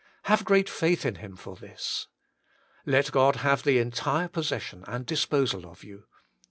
Have great faith in Him for this. 6. Let Qod have the entire possession and disposal of you.